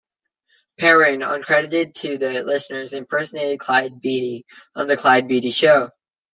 Perrin, uncredited to the listeners, impersonated Clyde Beatty on The "Clyde Beatty Show".